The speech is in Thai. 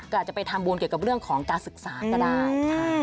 ก็อาจจะไปทำบุญเกี่ยวกับเรื่องของการศึกษาก็ได้